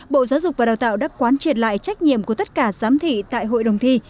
bộ giáo dục và đào tạo đã quán triệt lại trách nhiệm của tất cả giám thị tại hội đồng thi